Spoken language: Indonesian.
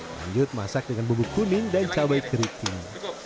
lanjut masak dengan bubuk kuning dan cabai keriting